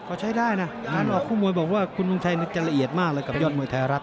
ก็ใช้ได้นะงานออกคู่มวยบอกว่าคุณเมืองชัยจะละเอียดมากเลยกับยอดมวยไทยรัฐ